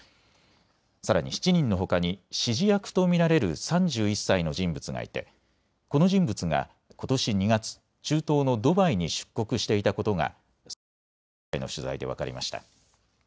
さらに７人のほかに指示役と見られる３１歳の人物がいてこの人物がことし２月、中東のドバイに出国していたことが捜査関係者への取材で分かりました。